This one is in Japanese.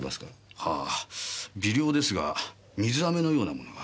はぁ微量ですが水飴のようなものが。